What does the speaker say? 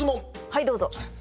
はいどうぞ。